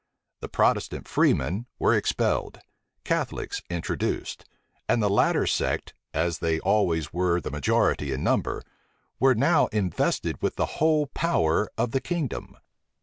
The Protestant freemen were expelled, Catholics introduced; and the latter sect, as they always were the majority in number, were now invested with the whole power of the kingdom.